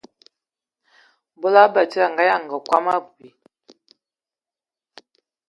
Mbol batsidi a nganyanga kom abui,